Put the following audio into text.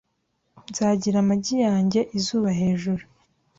Nzagira amagi yanjye izuba hejuru.